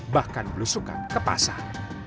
bahkan belusukan ke pasar